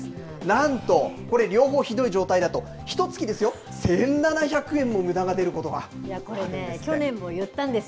なんとこれ、両方ひどい状態だと、ひとつきですよ、１７００円もむだが出ることがあるんです。